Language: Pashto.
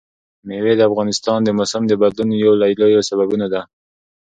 مېوې د افغانستان د موسم د بدلون یو له لویو سببونو ده.